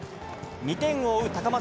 ２点を追う高松